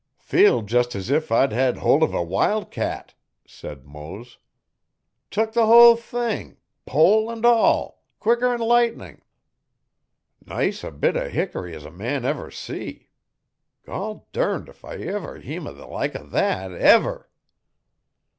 'Feel jest as if I'd hed holt uv a wil' cat,' said Mose. 'Tuk the hull thing pole an' all quicker 'n lightnin'. Nice a bit o' hickory as a man ever see. Gol' durned if I ever heem o' the like o' that, ever.'